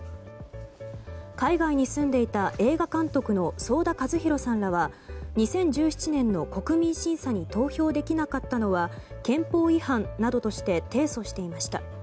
海外に住んでいた映画監督の想田和弘さんらは２０１７年の国民審査に投票できなかったのは憲法違反などとして提訴していました。